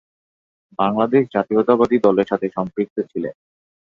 বাংলাদেশ জাতীয়তাবাদী দলের সাথে সম্পৃক্ত ছিলেন।